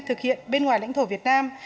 thực hiện bên ngoài lãnh thổ việt nam